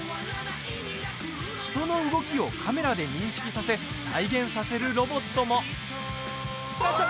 人の動きをカメラで認識させ再現させるロボットも。